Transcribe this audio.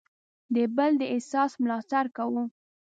د بل د احساس ملاتړ کوو.